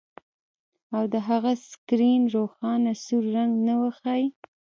او د هغه سکرین روښانه سور رنګ ونه ښيي